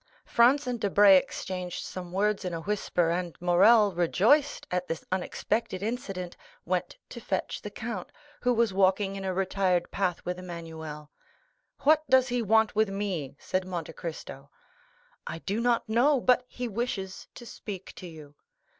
Franz and Debray exchanged some words in a whisper, and Morrel, rejoiced at this unexpected incident, went to fetch the count, who was walking in a retired path with Emmanuel. "What does he want with me?" said Monte Cristo. "I do not know, but he wishes to speak to you."